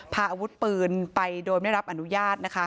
พาอาวุธปืนไปโดยไม่รับอนุญาตนะคะ